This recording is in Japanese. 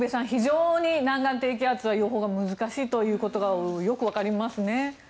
非常に南岸低気圧は予報が難しいということがよく分かりますね。